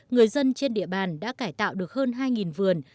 người dân trên địa bàn đã cải tạo được hơn hai vườn